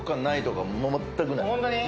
ホントに？